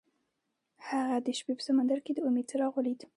هغه د شپه په سمندر کې د امید څراغ ولید.